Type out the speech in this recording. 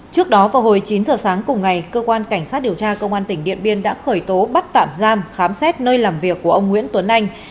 trước đó vào hồi chín giờ sáng cùng ngày cơ quan cảnh sát điều tra công an tỉnh điện biên đã khởi tố bắt tạm giam khám xét nơi làm việc của ông nguyễn tuấn anh